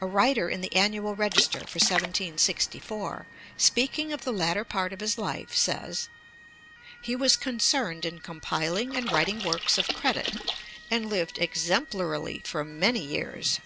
A writer in the Annual Register for 1764 (ii. 71), speaking of the latter part of his life, says: 'He was concerned in compiling and writing works of credit, and lived exemplarily for many years.'